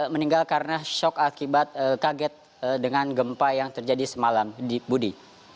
meninggal karena shock akibat kaget dengan gempa yang terjadi semalam budi